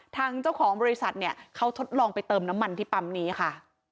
ทางเจ้าของบริษัทเนี่ยเขาทดลองไปเติมน้ำมันที่ปั๊มนี้ค่ะ